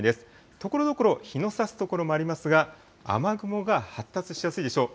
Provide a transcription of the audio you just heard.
ところどころ、日のさす所もありますが、雨雲が発達しやすいでしょう。